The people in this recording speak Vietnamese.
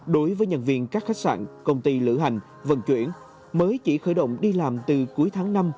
đối với nhân viên các khách sạn công ty lữ hành vận chuyển mới chỉ khởi động đi làm từ cuối tháng năm